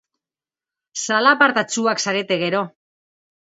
Zalapartatsuak zarete, gero.